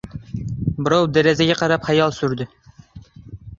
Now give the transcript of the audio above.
Birov derazaga qarab xayol surdi.